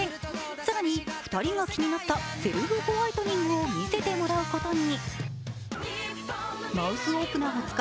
更に２人が気になったセルフホワイトニングを見せてもらうことに。